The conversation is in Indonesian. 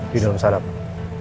di dalam sana pak